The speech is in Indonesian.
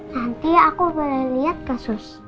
nanti aku boleh liat ke sus